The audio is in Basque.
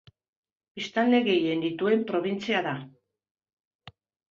Biztanle gehien dituen probintzia da.